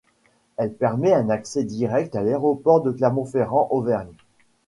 Elle permet un accès direct à l'aéroport de Clermont-Ferrand Auvergne.